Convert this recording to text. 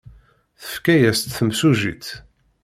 Tefka-as-tt temsujjit.